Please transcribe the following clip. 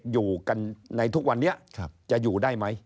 อยู่กันในทุกวันนี้จะอยู่ได้ไหม